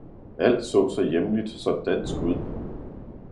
alt så så hjemligt, så dansk ud!